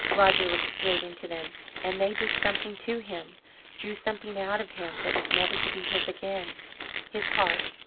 Roger looked straight into them and they did something to him drew something out of him that was never to be his again his heart?